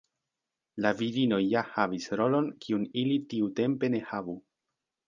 La virinoj ja havis rolon kiun ili tiutempe ne havu.